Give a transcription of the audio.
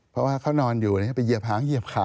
เพราะว่าเขานอนอยู่ไปเหยียบหางเหยียบขา